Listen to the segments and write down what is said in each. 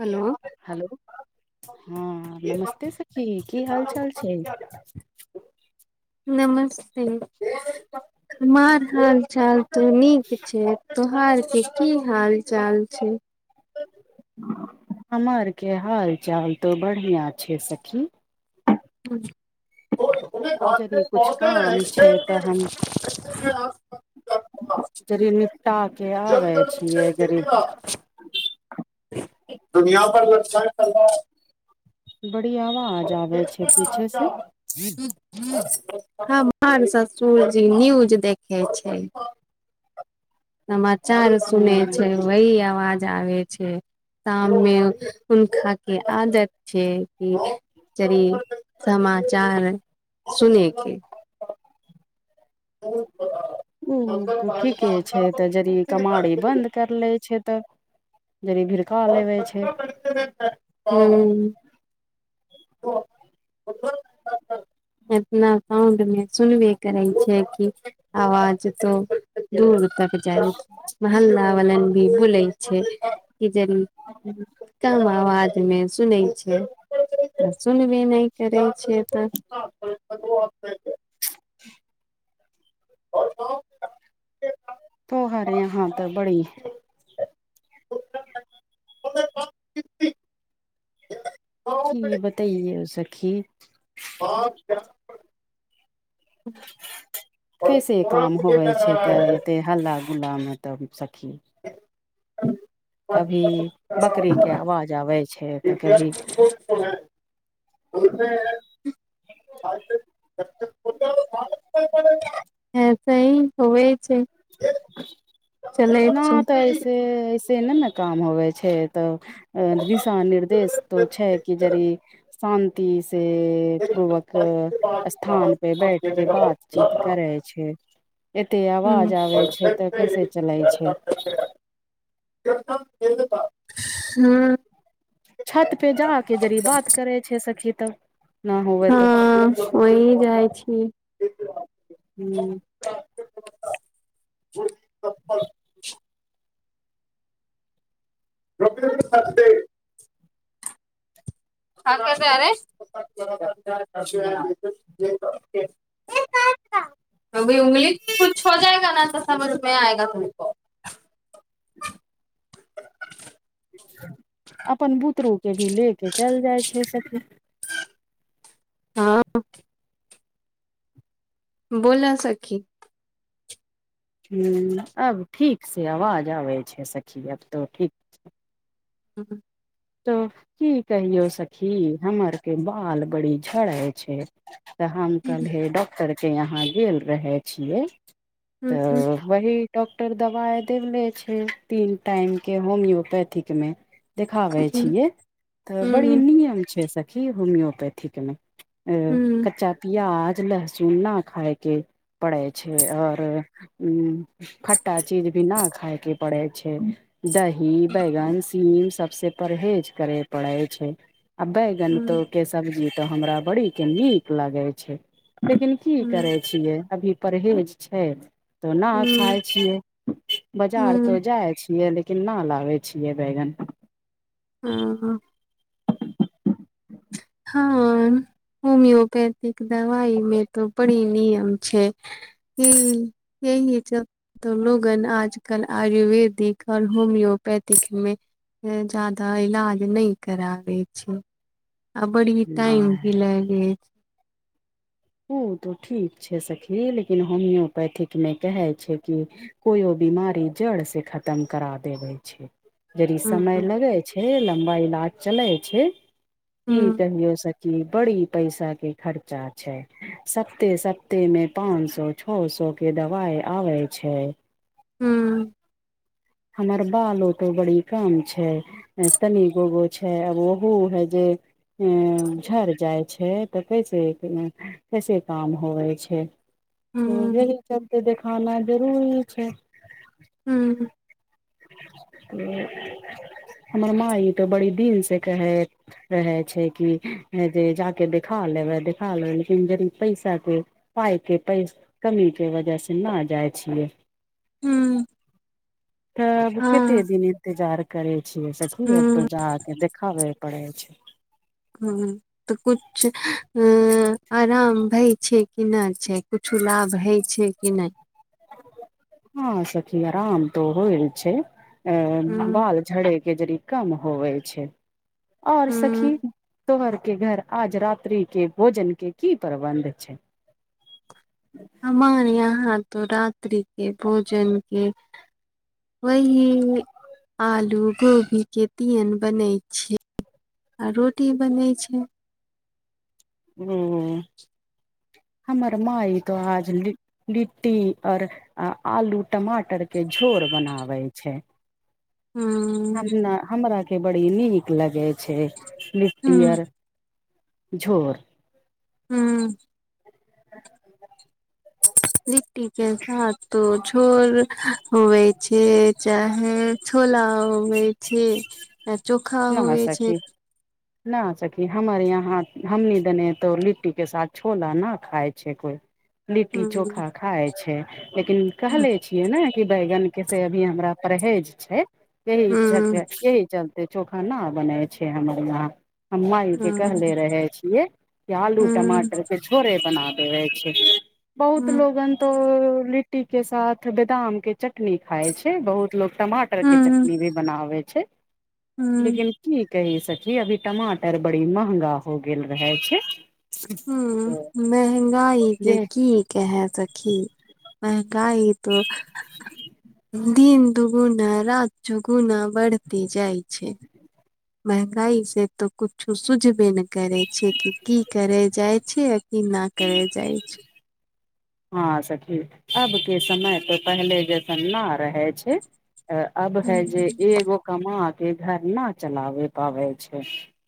Hello hello हँ नमस्ते सखी की हाल चाल छै नमस्ते हमार हाल चाल त नीक छै तोहार क की हाल चाल छै हमार के हाल चाल तो बढ़िआँ छै सखी जदि कुछ काम हँ छै तऽ हम [unintelligible] जरी निपटा के आबे छियै जरी [unintelligible] [unintelligible] बड़ी आवाज आबे छै पीछे से हमार ससुरजी न्यूज देखै छै समाचार सुने ह छै वहि आवाज आबे छै शाम मे उनका के आदत छै कि समाचार सुनेके ओ त ठीके छै त जरी कमारी बन्द कर ले छै त जनी भिरखा लेबे छै ह [unintelligible] ओ ओ [unintelligible] एतना साउंड मे सुनबे करै छिय कि आवाज तो दूर तक जाइ मोहल्ला वाल भी बुलै छै कि ह [inaudible] कम आवाज मे सुनै छै सुनबे नहि करै छिय तऽ [inaudible] [unintelligible] तोहारे यहा तऽ बड़ी [unintelligible] की बताइए ओ सखि [unintelligible] [unintelligible] त हल्ला गुल्लामे तऽ सखी [unintelligible] कभी बकरीके आवाज आबै छै तऽ कभी [unintelligible] ऐसे ही होबे छै चलै ना छै त ऐसे ऐस से नहि ने काम होव छै तऽ दिशा निर्देश त छै कि जरी शान्ति से पूर्वक स्थान पे बैठ के बातचीत करे छै एते ह आवाज आबे छै तऽ कैसे चले छै हँ छत पे जाक जड़ी बात करे छै सखी तब न होवे हँ तऽ वहि जाय छी हूँ [unintelligible] [unintelligible] [unintelligible] [unintelligible] अभी उंगली कुछ हो जाएगा ने तऽ समझ मे आएगा तुमको अपन बुतरू के भी ले के चलि जाइ छै सखी हँ बोलअ सखी अब ठीक से आवाज आबै छै सखी आब तऽ ठीक हू तो की कहियौ सखी हमर के बाल बड़ी झड़ै छै तऽ हम कहले डॉक्टर के यहाँ गेल रहै छियै ह तऽ वहि डॉक्टर दवाई देले छै तीन टाइम के होमियोपैथिक मे देखाबै छियै तऽ बड़ी ह नियम छै सखी होमियोपैथिकमे ह कच्चा प्याज लहसुन न खायके पड़े छै आओर खट्टा चीज भी न खाय के पड़े छै दही बैगन सीम सबस परहेज करे पड़ै छै आ बैगन त हँ के सब्जी तऽ हमरा बड़ी के नीक लगे छै लेकिन की करे छै छियै अभी परहेज छै तऽ न खाय छियै बाजार तो जाय छियै लेकिन लेकिन नहि लाबे छियै बैगन ह ह हँ होमिोपैथिक दवाइ मे त बड़ी नियम छै [unintelligible] त लोगन आजकल आयुर्वेदिक और होम्योपैथिक मे जादा इलाज नहि कराबे छै आ बड़ी टाइम भी लगे छै उ तऽ ठीक छै सखी लेकिन होमियोपैथिकमे कहै छै कि कोइो बीमारी जड़ से खत्म करा देबे छै यदि समय हँ लगै छै लम्बा इलाज चलै छै कि हँ कहियो सखी की बड़ी पैसा के खर्चा छैसप्ते सप्ते में पांच सौ छौ सौ के दवाई आबे छै हूँ हमर बालओ तो बड़ी काम छै तनी गोगो छै है आब ओहो ओहो जे झड़ जाइ छै तऽ कैसे किने कैसे काम होवै छै त हँ एहि चलते देखाना जरूरी छै हूँ हमर माइ त बड़ी दिन से कहै रहै छै कि जे जाके देखा लेबै देखा लेबै लेकिन जे पैसाे पाय के पैस कमी के वजह से ना जाय छियै हूँ तब कते दिन इंतजार करे छियै सखी अब हँ त जाब देखाबय पड़ै छै हू तऽ कुछ आराम भई छै किना छै कुछु लाभ हय छै कि नहि हँ सखी आराम त होइ छै ए हम्म, बाल झड़े के जड़ी कम होवे छै आऔर हम्म, सखी तोहर के घर आज रात्रि के भोजन के की प्रबन्ध छै? हमार यहाँ तो रात्रि के भोजन के वही आलू गोभी के तिमन बनै छै आ रोटी बनै छै ओ हमर माँई त आज ल लिट्टी और आलू टमाटर के झोर बनाबे छै हू हम न हमरा के बड़ी नीक लगे छै हम्म लिट्टीयर झोर हू लिट्टी के साथ तो झोर होबै छै चाहे छोला होबै छै चोखा न हे होवे छै सखी न सखी हमर यहाँ हमनी देने तो लिट्टी के साथ छोला न खााय छै कोई लिट्टी ह चोखा खााय छै लेकिन कहले छी इ न कि बैगन के से अभी हमरा परहेज छै यही ह चल यही चलते चोखा ना बनाय छै हमर यहाँ हम माई के ह कहले रहे छियै कि आलू हुं टमाटर के छ भोरे बना देेबे छै बहुत हुं लोगन तो लिट्टी के साथ बदाम के चटनी खाय छै बहुत लोग टमा टर के चटनी भी बनाबे छै हुं लेकिन की कही सखी अभी टमाटर बड़ी महंगा हो गेल रहै छै हू महंगाई के जे की कहै सखी महंगाई त दिन दुगुना रात चोगुना बढ़ते जाइ छै महंगाई से तो कुछो सुझबे ने करे छिय कि करे जाइ छै की न करै जाइ छै हँ सखी अब के समय तऽ पहिले जेसन न रहे छै अब है हुं जे एगो कमा के घर न चलाबे पाबै छै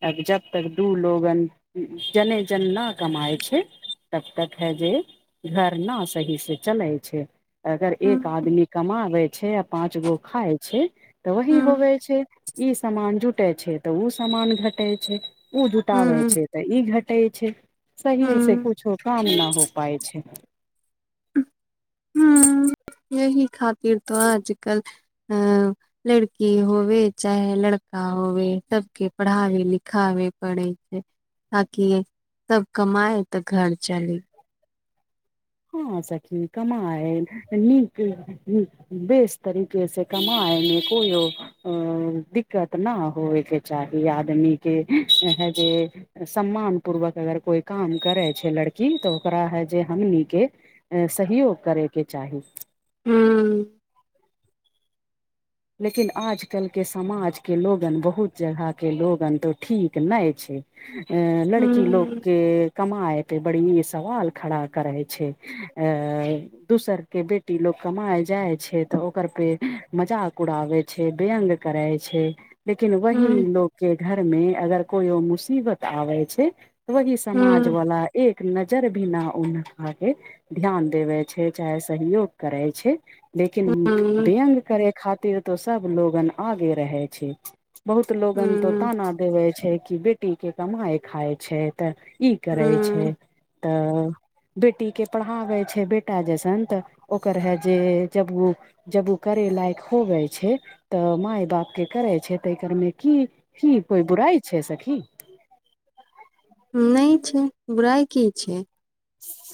आब जब तक दू लोगन जने जन न कमाय छै तब तक है जे घर न सही से चलै छै अगर हुं एक आदमी कमाबै छै आ पाँच गो खाय छै तऽ वही हुं होवे छै ई समान जुटे छै तऽ ओ समान घटे छै ओ जुटाबै हुं छै तऽ ई घटे छै सही हुं से कुछो काम न हो पाय छै यह खातिर त अजकल अ लड़की होवे चाहे लड़का होवे सबके पढ़ाबे लिखाबे पड़ै छै ताकि सब कमाए तऽ घर चलय हँ सखि कमाय नीक बेस तरीक से कमायमे कोयो अ दिक्कत नहि होए के चाही आदमी के हे जे सम्मान पूर्वक अगर कोई काम करे छै लड़की तऽ ओकरा है जे हम नी के सहयोग करैके चाही हूं लेकिन आजकल के समाजके लोगन बहुत जगहके लोगन तऽ ठीक नहि छै अं लड़की हूँ लोकके कमाइ पे बड़ि सवाल खड़ा करै छै अ दोसर के बेटी लोक कमाई जाइ छै तऽ ओकर पे मजाक उड़ाबै छै व्यङ्ग करै छै लेकिन वहि हूँ लोक के घर में अगर कोई मुसीबत आबे छै वही समाज हूँ वाला एक नजर भि ना हनका के ध्यान देबे छै चाहे सहयोग करै छै लेकिन हूँ व्यग करे खातिर तो सब लोगन आगे रहे छै बहुत लोगन तो हूँ ताना देवे छै कि बेटी के कमाय खाय छै तऽ ई करै छै हूँ तऽ बेटी के पढ़ाबै छै बेटा जैसन तऽ ओकर हे जे जब ओ जब ओ करे लायक होबै छै तऽ माय बापके करै छै तऽ एकरमे की कि कोइ बुराइ छै सखी नहि छै बुराइ की छै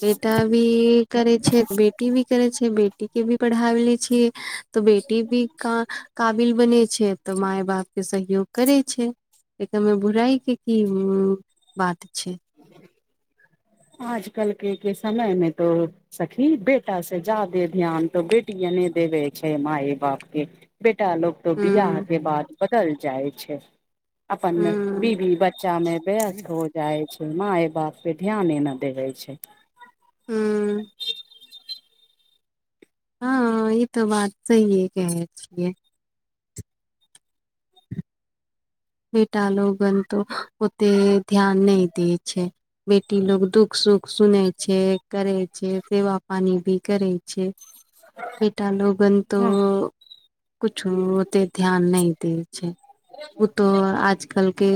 बेटा भी करै छै बेटी भी करै छै बेटी के भी पढ़ा ले छियै तऽ बेटी भी काबिल बने छै तऽ माय बाप के सहयोग करै छै एकर मे बुराई के की बात छै आजकल के समय में तो सखी बेटा सँ ज्यादा ध्यान तऽ बेटिये नहि देबे छै माए बाप के बेटा लोक त हूँ बियाह हाथे बाद बदल जाइ छै अपन हूँ बीबी बच्चा मे व्यस्त हो जाइत छै माइ बाप पे ध्याने नहि देै छै हुँ हँ ई तऽ बात सहि‌ ए कहै छियै बेटा लोगन त ओते ध्यान नहि दय छै बेटी लोक दुःख सुख सुनै छै करै छै सेवा पानी भी करै छै बेटा लोगन हँ तऽ कुछो ओते ध्यान नहि दै छै ओ तऽ आजकलके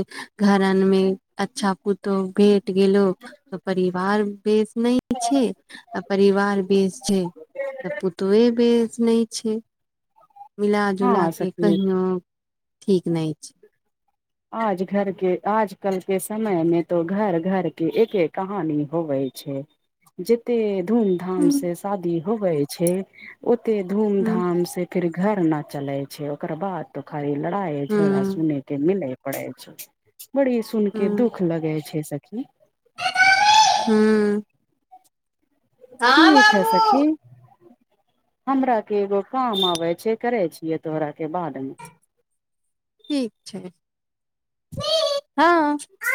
घरन मे अच्छा पूतोह भेट गेलो त परिवार बेस नहि छै आ परिवार बेस छै तऽ पुतोहे बेस नहि छै मिलााजुला हँ कऽ सखी कहिो ठीक नहि छै आज घर के आज कल के समय में तो घर घर के एके कहानी होवे छै जते धूम धाम हूँ से शादी होबै छै ओते धूम हूँ धाम से फिर घर न चले छै ओकर बाद तो खाली लड़ाई झगड़ा हूँ सुने के मिले पड़ै छै बड़ी सुन के दुःख हूँ लगे छै सखी हुँ ठीक है सखी हमरा के एगो काम आबे छै करे छियै तोहरा के बाद मे ठीक छै हँ